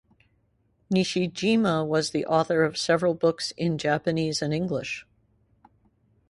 Nishijima was the author of several books in Japanese and English.